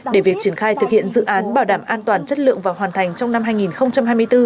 để việc triển khai thực hiện dự án bảo đảm an toàn chất lượng và hoàn thành trong năm hai nghìn hai mươi bốn